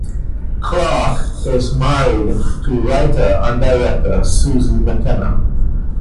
Clarke is married to writer and director Susie McKenna.